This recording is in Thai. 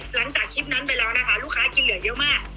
หลังจากคลิปนั้นไปแล้วนะคะลูกค้ากินเหลือเยอะมาก